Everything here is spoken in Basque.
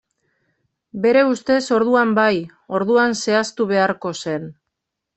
Bere ustez, orduan bai, orduan zehaztu beharko zen.